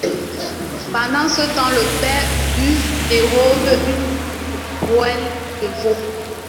Pendant ce temps le Père Ubu dérobe une rouelle de veau.